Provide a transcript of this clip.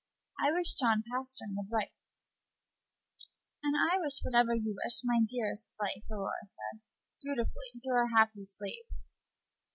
I wish John Pastern would write." "And I wish whatever you wish, my dearest life," Aurora said, dutifully, to her happy slave.